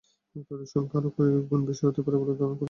তাঁদের সংখ্যা আরও কয়েক গুণ বেশি হতে পারে বলেও ধারণা করা হচ্ছে।